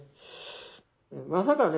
まさかね